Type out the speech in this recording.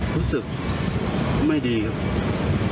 รู้สึกไม่ดีครับ